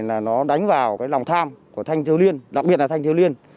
là nó đánh vào lòng tham của thanh thiếu liên đặc biệt là thanh thiếu liên